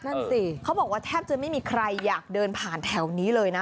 นั่นสิเขาบอกว่าแทบจะไม่มีใครอยากเดินผ่านแถวนี้เลยนะ